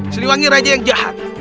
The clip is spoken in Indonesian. siliwangi raja yang jahat